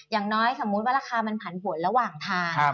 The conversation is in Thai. อย่างน้อยสมมุติว่าราคามันผันผลระหว่างทาง